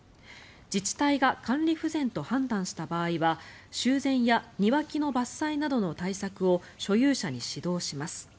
自治体が管理不全と判断した場合は修繕や庭木の伐採などの対策を所有者に指導します。